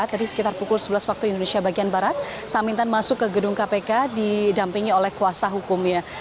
tadi sekitar pukul sebelas waktu indonesia bagian barat samintan masuk ke gedung kpk didampingi oleh kuasa hukumnya